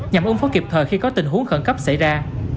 nhằm ứng phó kịp thời khi có tình huống khẩn cấp xảy ra